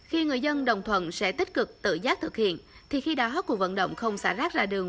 khi người dân đồng thuận sẽ tích cực tự giác thực hiện thì khi đó cuộc vận động không xả rác ra đường